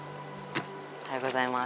おはようございます。